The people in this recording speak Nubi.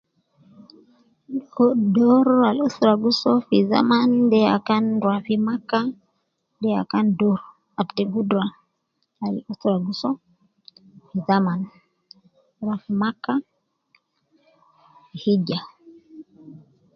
Ko doru al usra gi soo fi zaman de ya kan rua fi macca, de ya kan doru al te gudra al usra gi soo fi zaman, rua fi macca, hijja